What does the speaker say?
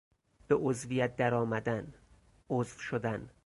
به عضویت درآمدن، عضو شدن